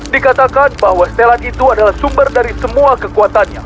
dikatakan bahwa setelan itu adalah sumber dari semua kekuatannya